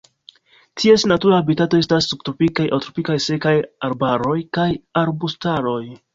Ties natura habitato estas subtropikaj aŭ tropikaj sekaj arbaroj kaj arbustaroj.